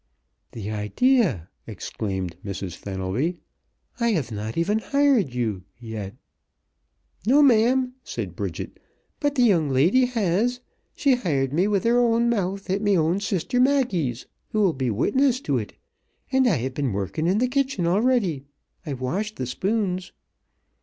"The idea!" exclaimed Mrs. Fenelby. "I have not even hired you, yet!" "No, ma'am," said Bridget, "but th' young lady has. She hired me with her own mouth, at me own sister Maggie's, who will be witness t' it, an' I have been workin' in th' kitchen already. I've washed th' spoons."